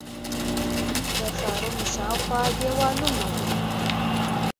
د ښارونو شاوخوا دیوالونه وو